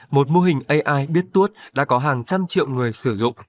một mô hình ai biết tuốt đã có hàng trăm triệu người sử dụng